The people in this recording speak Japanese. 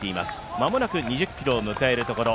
間もなく２０ｋｍを迎えるところ。